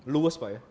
lewis pak ya